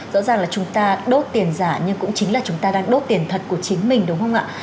rõ ràng là chúng ta đốt tiền giả nhưng cũng chính là chúng ta đang đốt tiền thật của chính mình đúng không ạ